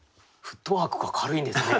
フットワークが軽いんですね